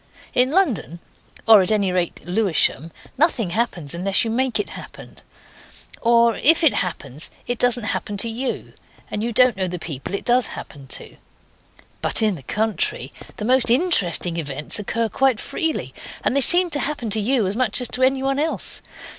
In London, or at any rate Lewisham, nothing happens unless you make it happen; or if it happens it doesn't happen to you, and you don't know the people it does happen to. But in the country the most interesting events occur quite freely, and they seem to happen to you as much as to anyone else.